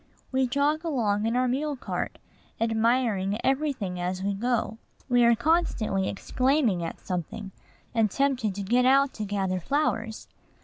We jog along in our mule cart, admiring every thing as we go. We are constantly exclaiming at something, and tempted to get out to gather flowers.